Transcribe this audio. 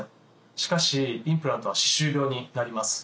しかしインプラントは歯周病になります。